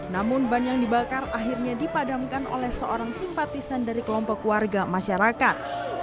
namun ban yang dibakar akhirnya dipadamkan oleh seorang simpatisan dari kelompok warga masyarakat